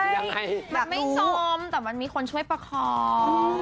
อยากรู้มันไม่ซ้อมแต่มันมีคนช่วยประคอง